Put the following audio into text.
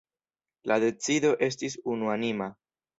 La decido estis unuanima.